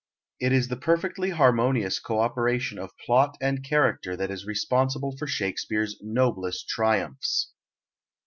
It is the perfectly harmonious co operation of plot and character that is responsible for Shakespeare's noblest triumphs.